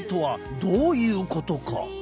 どういうこと？